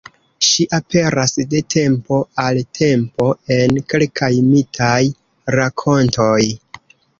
Ŝi aperas de tempo al tempo en kelkaj mitaj rakontoj.